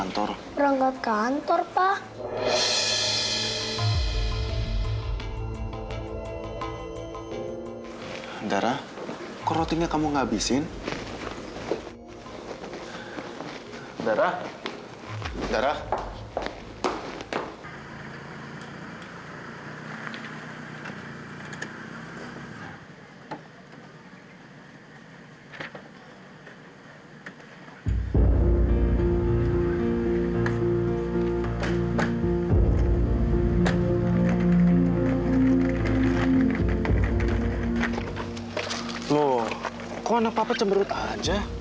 loh kok anak papa cemberut aja